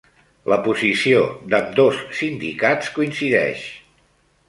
La posició d'ambdós sindicats coincideix.